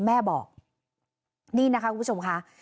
แม่บอกนี่นะคะคุณผู้ชมค่ะ